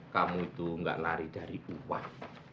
kamu itu gak lari dari uang